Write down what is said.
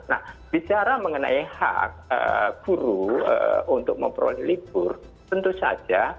nah bicara mengenai hak guru untuk memperoleh libur tentu saja